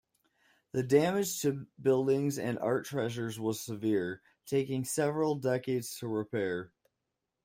The damage to buildings and art treasures was severe, taking several decades to repair.